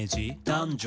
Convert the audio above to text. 「男女？